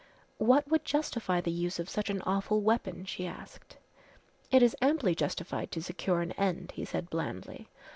"What would justify the use of such an awful weapon?" she asked. "It is amply justified to secure an end," he said blandly.